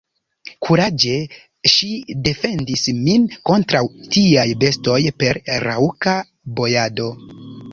Kuraĝe ŝi defendis min kontraŭ tiaj bestoj per raŭka bojado.